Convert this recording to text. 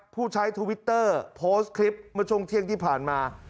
ผู้ใช้ทวิตเตอร์โพสต์คลิปเมื่อช่วงเที่ยงที่ผ่านมา